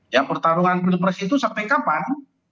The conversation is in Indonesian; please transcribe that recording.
ya pertarungan pilpres itu sampai kapan